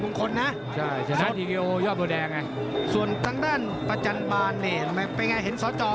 ดังนั่นใช้โชว์ฟอร์มที่ไทยแหละส่วนทางด้านประจำบานนี้ข้างในภูเขาแหลว